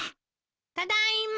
ただいま。